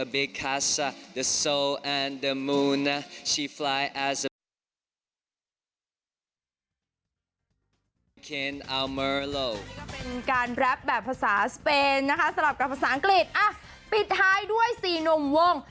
ปิดท้ายด้วยซีนมวง